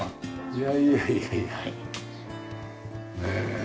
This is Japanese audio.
いやいやいやいやねえ。